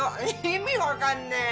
意味分かんねえ。